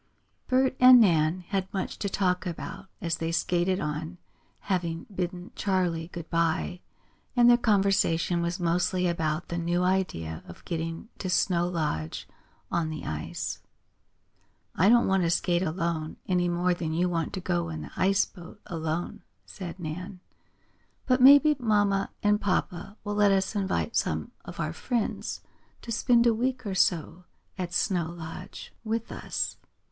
Bert and Nan had much to talk about as they skated on, having bidden Charley good bye, and their conversation was mostly about the new idea of getting to Snow Lodge on the ice. "I don't want to skate alone, any more than you want to go in the ice boat alone," said Nan. "But maybe mamma and papa will let us invite some of our friends to spend a week or so at Snow Lodge with us.